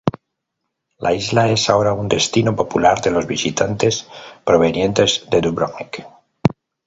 La isla es ahora un destino popular de los visitantes provenientes de Dubrovnik.